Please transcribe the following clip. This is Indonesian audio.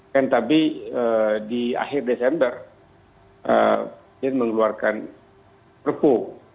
dan tapi di akhir desember dia mengeluarkan perpu